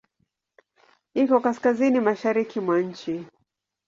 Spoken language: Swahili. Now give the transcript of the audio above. Iko Kaskazini mashariki mwa nchi.